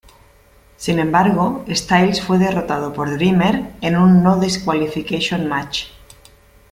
Sin embargo, Styles fue derrotado por Dreamer en un No Disqualification Match.